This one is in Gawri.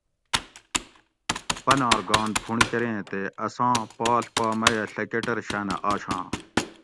پنار گان پھونڑ کریں تے اساں پاڷ پا میہ ڷہ کٹر شاۤنہ آشاں